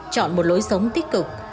chọn một lối sống tích cực